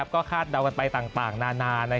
ก็คาดเดากันไปต่างนานา